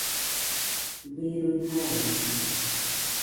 birui jaide